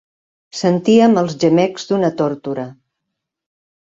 Sentíem els gemecs d'una tórtora.